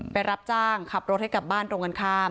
รับจ้างขับรถให้กลับบ้านตรงกันข้าม